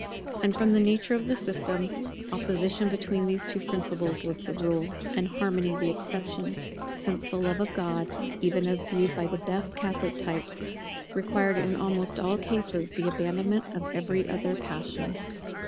And from the nature of the system, opposition between these two principles was the rule, and harmony the exception; since the Love of God, even as viewed by the best Catholic types, required in almost all cases the abandonment of every other passion.